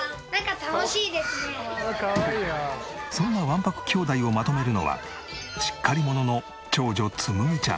そんなわんぱくきょうだいをまとめるのはしっかり者の長女つむぎちゃん。